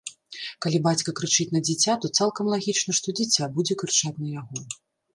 Калі бацька крычыць на дзіця, то цалкам лагічна, што дзіця будзе крычаць на яго.